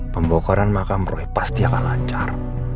pembokaran makam roy pasti akan lancar